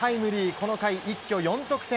この回、一挙４得点。